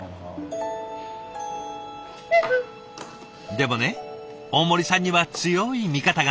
でもね大森さんには強い味方が。